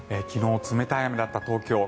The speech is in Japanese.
昨日、冷たい雨だった東京。